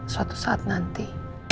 suatu saat nanti